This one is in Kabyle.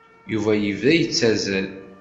Yuba yebda yettazzal.